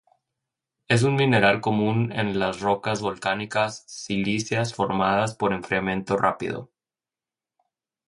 Es un mineral común en las rocas volcánicas silíceas formadas por enfriamiento rápido.